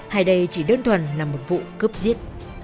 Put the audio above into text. hay đây chỉ đơn thuần là một vụ cướp giết